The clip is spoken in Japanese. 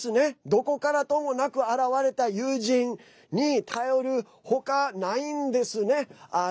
どこからともなく現れた友人に頼るほかないんですね。